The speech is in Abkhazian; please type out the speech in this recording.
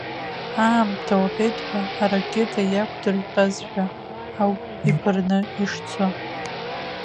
Аамҭа уҳәеит ҳәа, аракета иақәдыртәазшәа ауп иԥырны ишцо.